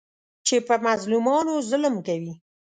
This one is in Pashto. چې په مظلومانو ظلم کوي.